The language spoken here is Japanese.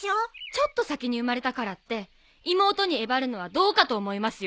ちょっと先に生まれたからって妹にえばるのはどうかと思いますよ。